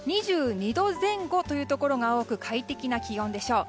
２２度前後というところが多く快適な気温でしょう。